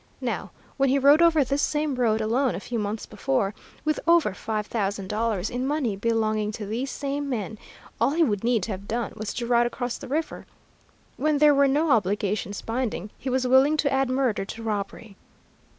Now, when he rode over this same road alone, a few months before, with over five thousand dollars in money belonging to these same men, all he would need to have done was to ride across the river. When there were no obligations binding, he was willing to add murder to robbery.